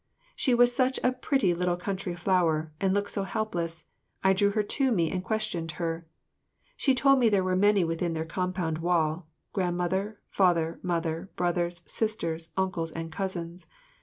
She was such a pretty little country flower, and looked so helpless, I drew her to me and questioned her. She told me there were many within their compound wall: grandmother, father, mother, brothers, sisters, uncles and cousins.